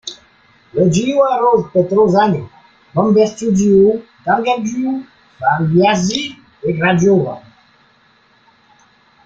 Le Jiu arrose Petroșani, Bumbești-Jiu, Târgu Jiu, Filiași et Craiova.